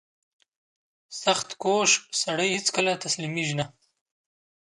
• سختکوش سړی هیڅکله تسلیمېږي نه.